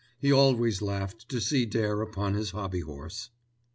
He always laughed to see Dare upon his hobby horse.